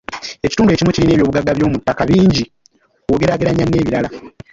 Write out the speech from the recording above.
Ekitundu ekimu kirina eby'obugagga by'omu ttaka bingi bw'ogeraageranya n'ebirala.